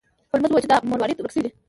هولمز وویل چې دا مروارید ورک شوی و.